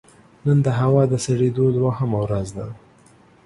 نن د هوا د سړېدو دوهمه ورځ ده